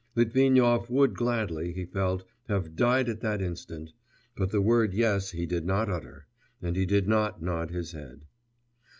Litvinov would gladly, he felt, have died at that instant; but the word 'yes' he did not utter, and he did not nod his head.